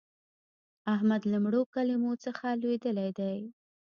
احمد له مړو کلمو څخه لوېدلی دی.